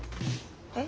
えっ？